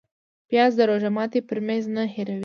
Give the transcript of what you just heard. پیاز د روژه ماتي پر میز نه هېروې